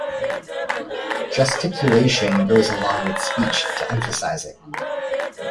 Gesticulation goes along with speech to emphasize it.